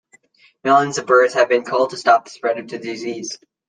Millions of birds have been culled to stop the spread of the disease.